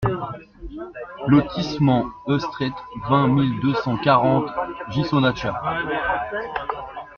Lotissement e Strette, vingt mille deux cent quarante Ghisonaccia